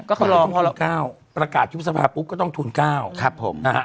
ก็คือข้อละ๙ประกาศยุบสภาปุ๊บก็ต้องทุน๙ครับผมนะฮะ